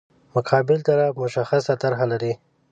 مقابل طرف مشخصه طرح لري.